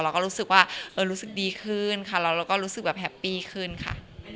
เราก็รู้สึกว่าเรารู้สึกดีขึ้นค่ะแล้วเราก็รู้สึกแบบแฮปปี้ขึ้นค่ะ